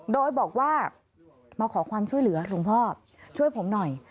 โดยบอกว่ามาขอความช่วยเหลือหลวงพ่อช่วยผมหน่อย